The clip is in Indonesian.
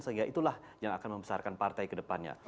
sehingga itulah yang akan membesarkan partai kedepannya